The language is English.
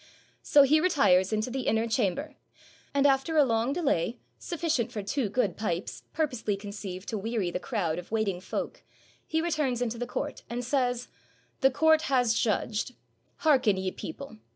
So he retires into the inner cham ber, and after a long delay, sufficient for two good pipes, purposely conceived to weary the crowd of waiting folk, he returns into the court, and says — "The court has judged. Hearken, ye people.